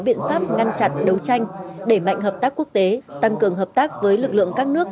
biện pháp ngăn chặn đấu tranh đẩy mạnh hợp tác quốc tế tăng cường hợp tác với lực lượng các nước